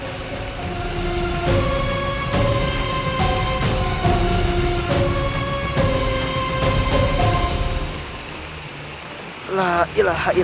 tidak salah lagi